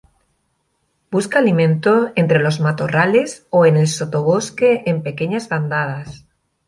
Busca alimento entre los matorrales o el sotobosque en pequeñas bandadas.